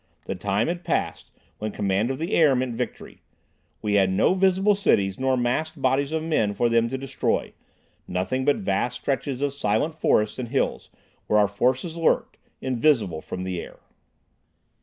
The time had passed when command of the air meant victory. We had no visible cities nor massed bodies of men for them to destroy, nothing but vast stretches of silent forests and hills, where our forces lurked, invisible from the air.